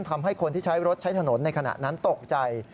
ทำให้คนที่ใช้รถใช้ถนนในขณะนั้นตกใจ